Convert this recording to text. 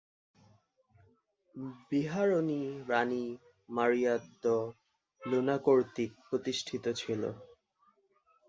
বিহারটি রাণী Maria de Luna কর্তৃক প্রতিষ্ঠিত ছিল।